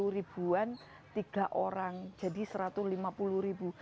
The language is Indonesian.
sepuluh ribuan tiga orang jadi satu ratus lima puluh ribu